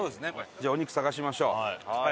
じゃあお肉探しましょう。